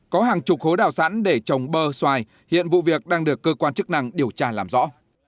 có hàng chục hố đào sẵn để trồng bơ xoài hiện vụ việc đang được cơ quan chức năng điều tra làm rõ